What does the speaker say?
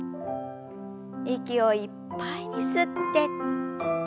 息をいっぱいに吸って。